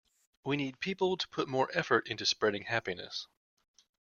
We need people to put more effort into spreading happiness.